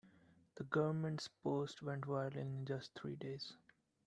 The government's post went viral in just three days.